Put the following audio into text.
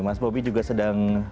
mas bobby juga sedang